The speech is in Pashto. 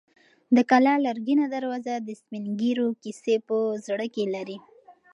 د کلا لرګینه دروازه د سپین ږیرو کیسې په زړه کې لري.